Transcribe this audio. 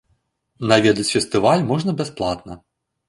Наведаць фестываль можна бясплатна.